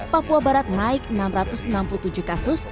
papua barat naik enam ratus enam puluh tujuh kasus